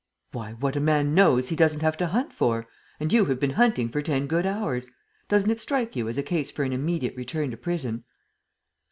"Why, what a man knows he doesn't have to hunt for! And you have been hunting for ten good hours! Doesn't it strike you as a case for an immediate return to prison?"